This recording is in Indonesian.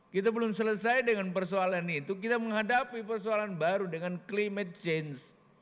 kita belum selesai dengan persoalan itu kita menghadapi persoalan baru dengan climate change